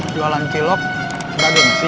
jualan cilok gak gengsi